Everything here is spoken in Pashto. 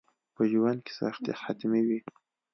په ژوند کي سختي حتمي وي.